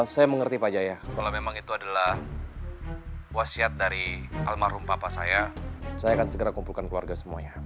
saya mengerti pak jaya kalau memang itu adalah wasiat dari almarhum papa saya saya akan segera kumpulkan keluarga semuanya